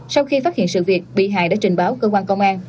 sau khi phát hiện sự việc bị hại đã trình báo cơ quan công an